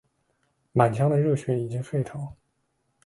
满腔的热血已经沸腾，